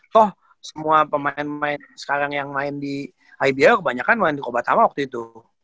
toh semua pemain pemain sekarang yang main di ibl kebanyakan main di obatama waktu itu